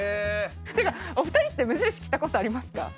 ていうかお二人って無印来たことありますか？